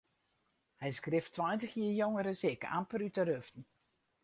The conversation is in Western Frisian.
Hy is grif tweintich jier jonger as ik, amper út de ruften.